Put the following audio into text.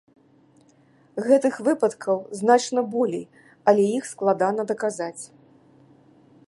Гэтых выпадках значна болей, але іх складана даказаць.